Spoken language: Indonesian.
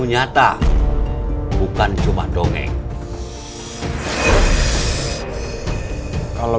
ya masih hidup siapa ya panagraji